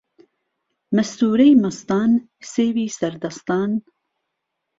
مەستوورەی مەستان سێوی سەر دەستان